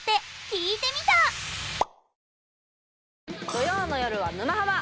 土曜の夜は「沼ハマ」。